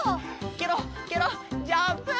ケロッケロッジャンプ！